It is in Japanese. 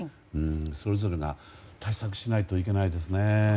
それぞれが対策しないといけないですね。